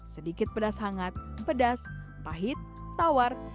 sedikit pedas hangat pedas pahit tawar